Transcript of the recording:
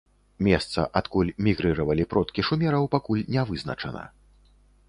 Месца, адкуль мігрыравалі продкі шумераў пакуль ня вызначана.